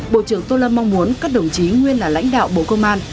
bộ trưởng tô lâm mong muốn các đồng chí nguyên là lãnh đạo bộ công an